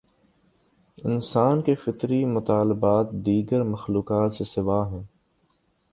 انسان کے فطری مطالبات، دیگر مخلوقات سے سوا ہیں۔